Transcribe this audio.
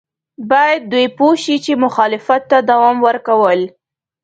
باید دوی پوه شي چې مخالفت ته دوام ورکول.